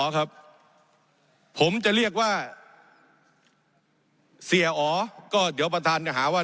ครับผมจะเรียกว่าเสียอ๋อก็เดี๋ยวประธานจะหาว่า